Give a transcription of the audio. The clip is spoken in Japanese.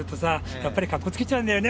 やっぱりかっこつけちゃうんだよね。